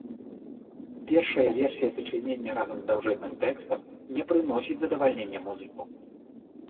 Першая версія сачынення разам з даўжэзным тэкстам не прыносіць задавальнення музыку.